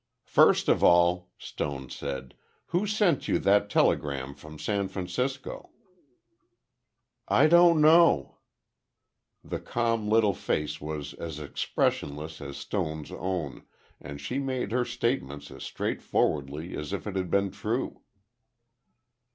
"First of all," Stone said, "who sent you that telegram from San Francisco?" "I don't know." The calm little face was as expressionless as Stone's own, and she made her statement as straightforwardly as if it had been true.